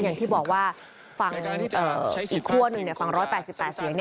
อย่างที่บอกว่าฝั่งอีกขั้วหนึ่งฝั่ง๑๘๘เสียง